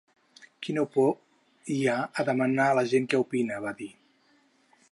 Quina por hi ha a demanar a la gent què opina?, va dir.